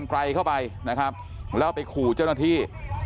ไกลเข้าไปนะครับแล้วไปขู่เจ้าหน้าที่